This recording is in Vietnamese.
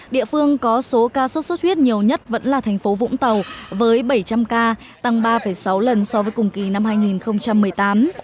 địa phương có số ca sốt xuất huyết nhiều nhất vẫn là thành phố vũng tàu với bảy trăm linh ca tăng ba sáu lần so với cùng kỳ năm hai nghìn một mươi tám